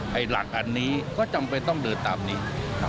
หลักอันนี้ก็จำเป็นต้องเดินตามนี้